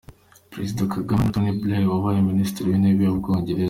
Perezida Kagame hamwe na Tony Blair wabaye Minisitiri w’Intebe w’u Bwongereza.